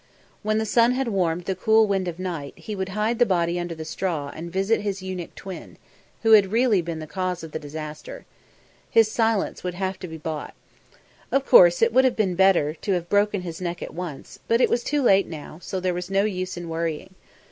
When the sun had warmed the cool wind of night he would hide the body under the straw and visit his eunuch twin, who had really been the cause of the disaster. His silence would have to be bought. Of course it would have been better to have broken his neck at once, but it was too late now, so there was no use in worrying!